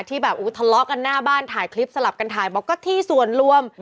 ที่แบบทะเลาะกันหน้าบ้านถ่ายคลิปสลับกันถ่ายบอกก็ที่ส่วนรวม